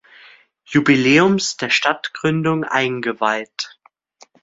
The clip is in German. Jubiläums der Stadtgründung eingeweiht.